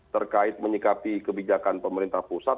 terkait menyikapi kebijakan pemerintah pusat